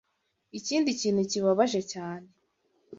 ikindi kintu kibabaje cyane